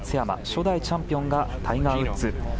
初代チャンピオンがタイガー・ウッズ。